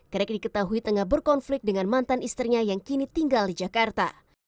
kerek diketahui tengah berkonflik dengan mantan istrinya yang kini tinggal di jakarta